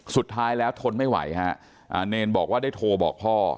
สุดท้ายแล้วทนไม่ไหวฮะเนรบอกว่าได้โทรบอกพ่อ